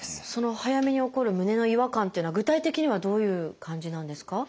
早めに起こる胸の違和感っていうのは具体的にはどういう感じなんですか？